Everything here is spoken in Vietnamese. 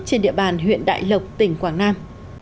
trên địa bàn huyện đại lộc tỉnh quảng nam